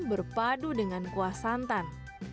berpadu dengan kuah santan